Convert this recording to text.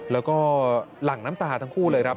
แล้วก็หลั่งน้ำตาทั้งคู่เลยครับ